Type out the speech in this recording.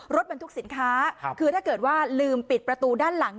รถบรรทุกสินค้าคือถ้าเกิดว่าลืมปิดประตูด้านหลัง